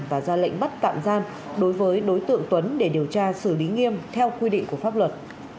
và ra lệnh bắt tạm giam đối với đối tượng tuấn để điều tra xử lý nghiêm theo quy định của pháp luật